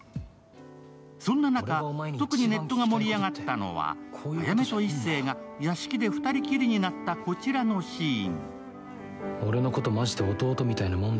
そんな中、特にネットが盛り上がったのは早梅と壱成が屋敷で２人きりになった、こちらのシーン。